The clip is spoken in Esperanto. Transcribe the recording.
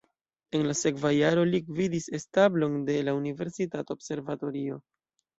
En la sekva jaro li gvidis establon de la universitata observatorio.